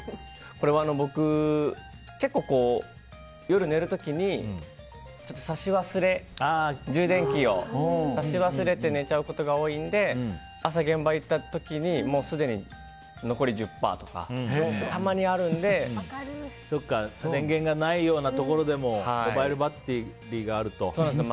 これは僕、夜寝る時に充電器を挿し忘れて寝ちゃうことが多いので朝、現場に行った時にもうすでに残り１０％とか電源がないようなところでもモバイルバッテリーがあるとね。